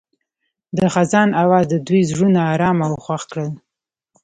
د خزان اواز د دوی زړونه ارامه او خوښ کړل.